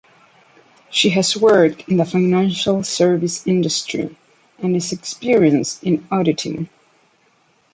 She has worked in the financial service industry and is experienced in auditing.